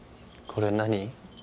これ何？